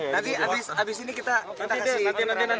nanti habis ini kita kasih keterangan